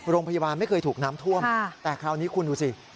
โรงพยาบาลไม่เคยถูกน้ำท่วมแต่คราวนี้คุณดูสิ